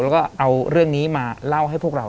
แต่ขอให้เรียนจบปริญญาตรีก่อน